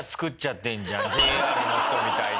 ＪＲの人みたいに。